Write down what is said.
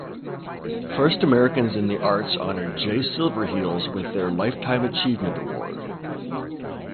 First Americans in the Arts honored Jay Silverheels with their Life Achievement Award.